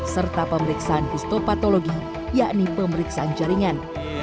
serta pemeriksaan histopatologi yakni pemeriksaan jaringan